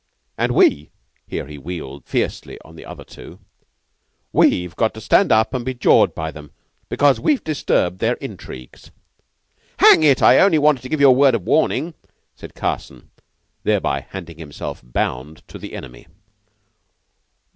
And we " here he wheeled fiercely on the other two "we've got to stand up and be jawed by them because we've disturbed their intrigues." "Hang it! I only wanted to give you a word of warning," said Carson, thereby handing himself bound to the enemy.